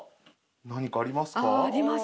何かありますか？